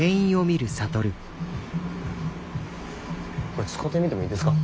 これ使うてみてもいいですか？